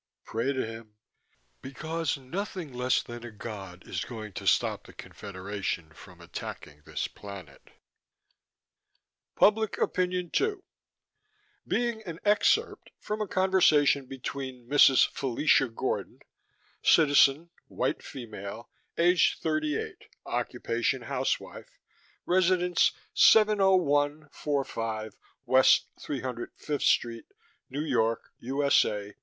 Pray to him because nothing less than a God is going to stop the Confederation from attacking this planet." PUBLIC OPINION TWO Being an excerpt from a conversation between Mrs. Fellacia Gordon, (Citizen, white female, age thirty eight, occupation housewife, residence 701 45 West 305 Street, New York, U. S. A.